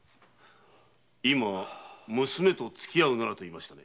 今「娘とつきあうなら」と言いましたが。